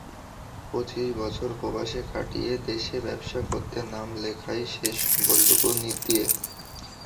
পঁচিশ বছর প্রবাসে কাটিয়ে দেশে ব্যবসা করতে নাম লেখায় শেষ সম্বলটুকু দিয়ে।